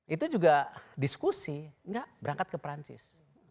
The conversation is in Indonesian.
itu juga diskusi nggak berangkat ke perancis